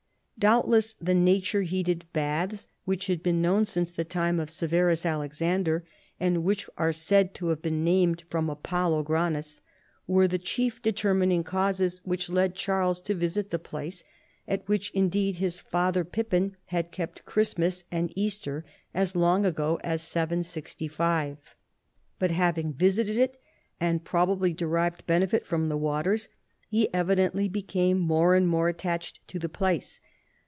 Doubtless the nature heated baths which had been known since the time of Severus Alexander, and which are said to 1 ave been named from Apollo Granus, were the chief determining causes which led Charles to visit the place, at which indeed his father Pi})pin had kept Christmas and Easter as long ago as 765. But having visited it, and probably derived benefit from the waters, he evidently became more and more attached to the place.